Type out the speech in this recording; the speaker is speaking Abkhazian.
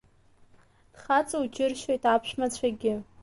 Дхаҵоу џьыршьоит аԥшәмацәагьы.